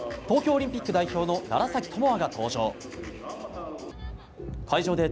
東京オリンピック代表の楢崎智亜が登場。